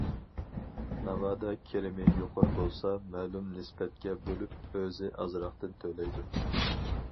ناۋادا كىرىمى يۇقىرى بولسا، مەلۇم نىسبەتكە بۆلۈپ ئۆزى ئازراقتىن تۆلەيدۇ.